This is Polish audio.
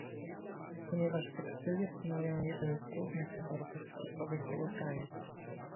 ponieważ tekstylia stanowią jeden z głównych towarów eksportowych tego kraju